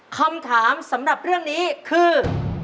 คำถามสำหรับเรื่องนี้คือ